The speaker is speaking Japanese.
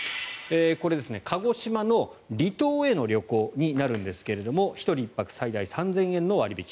これ、鹿児島の離島への旅行になるんですが１人１泊最大３０００円の割引。